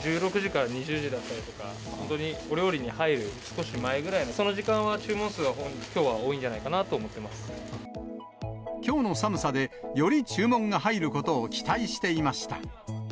１６時から２０時だったりとか、本当にお料理に入る少し前ぐらい、その時間は注文数が、きょうは多きょうの寒さで、より注文が入ることを期待していました。